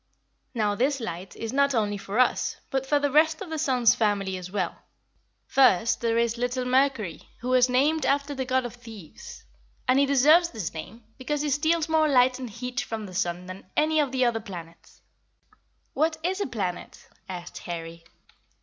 "Now this light is not only for us, but for the rest of the sun's family as well. First, there is little Mercury, who was named after the god of thieves; and he deserves this name, because he steals more light and heat from the sun than any of the other planets." WHAT IS A PLANET? "What is a planet?" asked Harry.